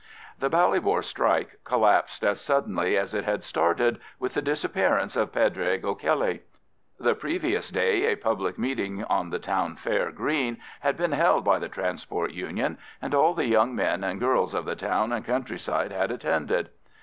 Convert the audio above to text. The Ballybor strike collapsed as suddenly as it had started with the disappearance of Paidraig O'Kelly. The previous day a public meeting on the town fair green had been held by the Transport Union, and all the young men and girls of the town and countryside had attended.